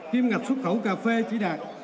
kiếm ngạch xuất khẩu cà phê chỉ đạt